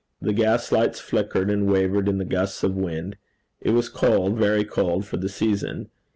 The gaslights flickered and wavered in the gusts of wind. It was cold, very cold for the season.